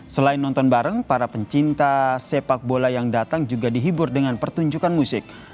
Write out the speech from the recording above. selain nonton bareng para pencinta sepak bola yang datang juga dihibur dengan pertunjukan musik